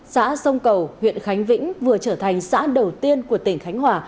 xã sông cầu huyện khánh vĩnh vừa trở thành xã đầu tiên của tỉnh khánh hòa